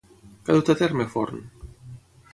Què ha dut a terme Forn?